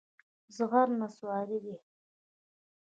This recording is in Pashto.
زغر نصواري دي.